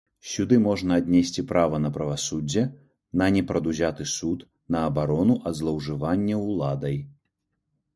Сюды можна аднесці права на правасуддзе, на непрадузяты суд, на абарону ад злоўжывання ўладай.